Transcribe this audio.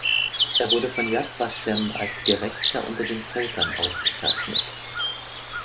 Er wurde von Yad Vashem als Gerechter unter den Völkern ausgezeichnet.